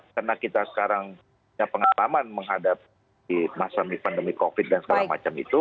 karena kita sekarang punya pengalaman menghadapi masa pandemi covid dan segala macam itu